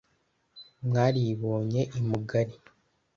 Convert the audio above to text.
mwaribonye i mugari,